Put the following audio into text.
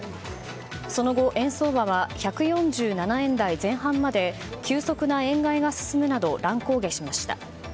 その後、円相場は１４７円台前半まで急速な円買いが進むなど乱高下しました。